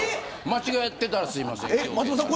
間違えたらすいません。